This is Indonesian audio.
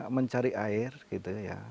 mencari air gitu ya